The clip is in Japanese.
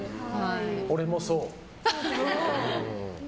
俺もそう。